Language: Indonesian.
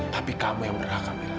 tapi kamu yang berhak kak mila